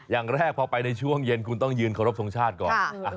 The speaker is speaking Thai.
อย่างแรกพอไปในช่วงเย็นคุณต้องยืนเคารพทรงชาติก่อน